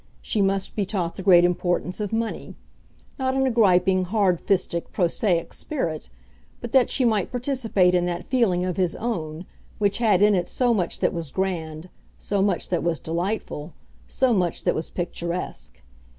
She must be taught the great importance of money, not in a griping, hard fisted, prosaic spirit; but that she might participate in that feeling of his own which had in it so much that was grand, so much that was delightful, so much that was picturesque.